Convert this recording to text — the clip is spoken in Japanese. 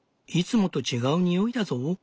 いつもと違う匂いだぞ。